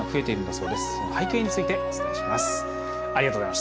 その背景についてお伝えします。